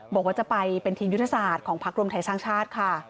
บอกว่าจะไปเป็นทีมยุทธศาสตร์ของพักรวมไทยสร้างชาติค่ะ